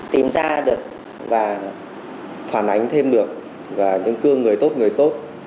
tìm ra được và phản ánh thêm được những cương người tốt